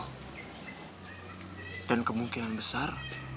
hai dan kemungkinan besar